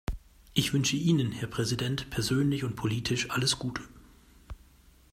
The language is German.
Ich wünsche Ihnen, Herr Präsident, persönlich und politisch alles Gute.